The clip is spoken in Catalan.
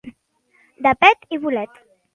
De pet i bolet.